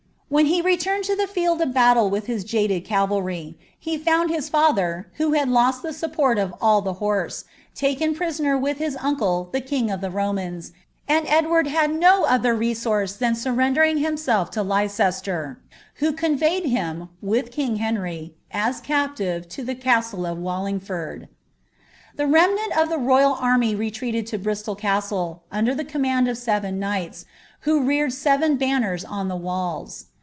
When he returned to the field of battle with his jaded cavalry, he found his &ther, who had lost the support of all the horse, taken prisoner with his uncle the king of the Romans, and Edward had no other resource than surrendering himself to Leicester, who conveyed him, with king Henry, as captive to the castle of Wallingford. The remnant of the rojral army retreated to Bristol Castle, under the command of seven knights, who reared seven banners on the walls.